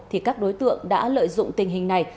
thì các đối tượng đã lợi dụng tình hình này